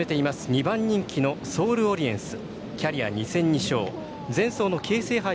２番人気のソールオリエンス。